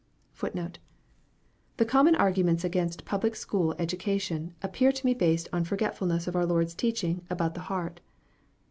The common arguments against " public school" education, ap pear to me based on forgetfulness of our Lord's teaching about the heart.